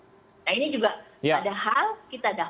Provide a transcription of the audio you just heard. nah ini juga